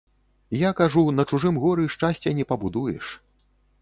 Я кажу, на чужым горы шчасця не пабудуеш.